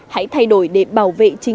hãy thay đổi để bảo vệ chính bản thân của mình